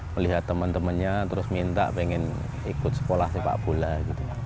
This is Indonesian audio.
melihat temen temennya terus minta pengen ikut sekolah sepakbola gitu